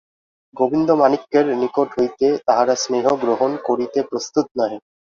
গোবিন্দমাণিক্যের নিকট হইতে তাহারা স্নেহ গ্রহণ করিতে প্রস্তুত নহে।